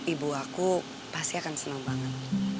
ibu aku pasti akan senang banget